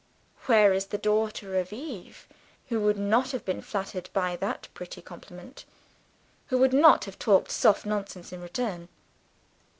'" Where is the daughter of Eve, who would not have been flattered by that pretty compliment who would not have talked soft nonsense in return?